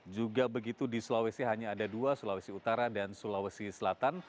juga begitu di sulawesi hanya ada dua sulawesi utara dan sulawesi selatan